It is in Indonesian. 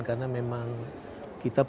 karena memang kita punya kemampuan